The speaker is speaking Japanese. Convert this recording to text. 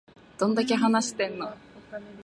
どんだけ話してんの